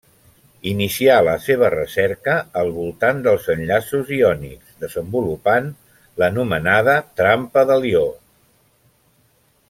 Inicià la seva recerca al voltant dels enllaços iònics, desenvolupant l'anomenada trampa de l'ió.